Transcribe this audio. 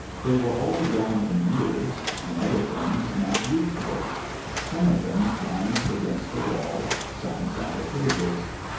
They were all young in years, in other things not youthful. Some of them lounged against the wall. Some sat at tables.